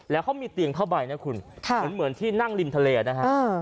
แล้วเขามีเตียงผ้าใบนะคุณค่ะเหมือนที่นั่งริมทะเลนะฮะ